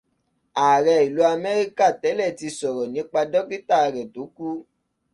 Ààrẹ ìlú Amẹ́ríkà tẹ́lẹ̀ tí sọ̀rọ̀ nípa dókítà rẹ̀ tó kú.